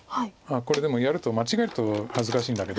これでもやると間違えると恥ずかしいんだけど。